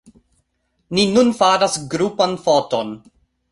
Ni nun faras grupan foton